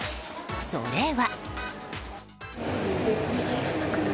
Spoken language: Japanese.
それは。